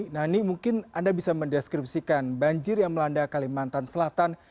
nani mungkin anda bisa mendeskripsikan banjir yang melanda kalimantan selatan